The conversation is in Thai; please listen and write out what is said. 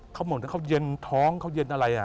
เขาเหมือนเขาเย็นท้องเขาเย็นอะไร